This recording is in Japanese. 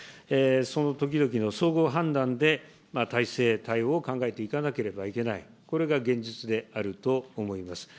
その時々の総合判断で、体制、対応を考えていかなければいけない、これが現実であると思います。